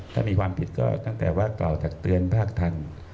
ถ้ามีความผิดก็ตั้งแต่ว่ากล่าวตักเตือนภาคทัน